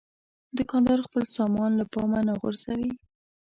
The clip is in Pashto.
دوکاندار خپل سامان له پامه نه غورځوي.